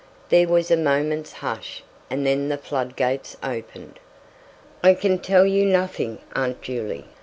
There was a moment's hush, and then the flood gates opened. "I can tell you nothing, Aunt Juley.